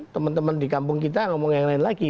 temen temen di kampung kita ngomong yang lain lagi